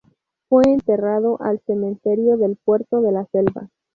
Fue enterrado al cementerio del Puerto de la Selva.